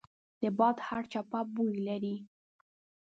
د باد هره چپه بوی لري